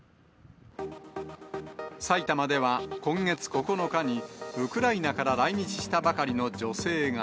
埼玉では今月９日に、ウクライナから来日したばかりの女性が。